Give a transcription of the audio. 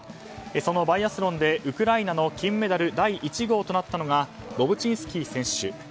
そのバイアスロンでウクライナの金メダル第１号となったのがボブチンスキー選手。